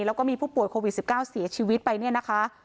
แล้วก็มีผู้ป่วยโควิด๑๙เสียชีวิตไปเนี่ยนะคะ